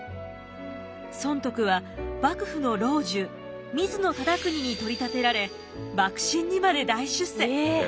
尊徳は幕府の老中水野忠邦に取り立てられ幕臣にまで大出世！